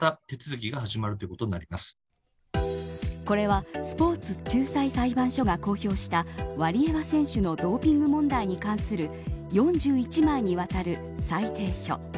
これは、スポーツ仲裁裁判所が公表したワリエワ選手のドーピング問題に関する４１枚にわたる裁定書。